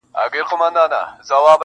پلار او مور خپلوان یې ټوله په غصه وي,